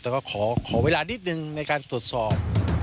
แต่ก็ขอเวลานิดนึงในการตรวจสอบ